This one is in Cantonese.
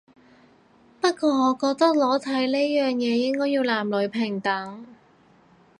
不過我覺得裸體呢樣嘢應該要男女平等